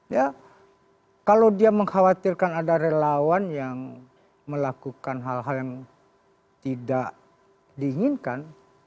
ya kalau dia mengkhawatirkan ada relawan yang melakukan hal hal yang tidak diinginkan